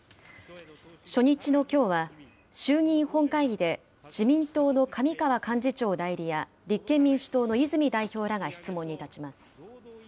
初日のきょうは、衆議院本会議で自民党の上川幹事長代理や立憲民主党の泉代表らが質問に立ちます。